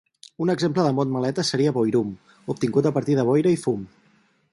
Un exemple de mot maleta seria boirum, obtingut a partir de boira i fum.